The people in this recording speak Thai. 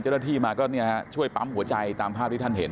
เจ้าหน้าที่มาก็ช่วยปั๊มหัวใจตามภาพที่ท่านเห็น